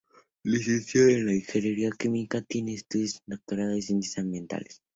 Licenciada en ingeniería química, tiene estudios de doctorado en Ciencias ambientales.